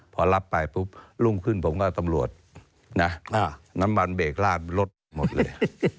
พอรับไปปุ๊บรุ่งขึ้นผมก็ตำรวจนะน้ำมันเบรกลาดรถหมดเลย